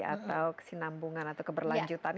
atau kesinambungan atau keberlanjutan